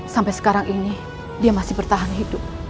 sampai sekarang ini dia masih bertahan hidup